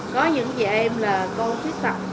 có những chị em là cô khuyết tặng